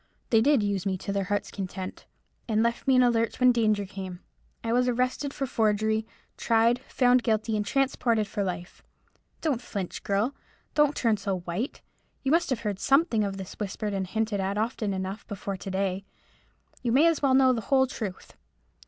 They did use me to their heart's content, and left me in the lurch when danger came. I was arrested for forgery, tried, found guilty, and transported for life. Don't flinch, girl! don't turn so white! You must have heard something of this whispered and hinted at often enough before to day. You may as well know the whole truth.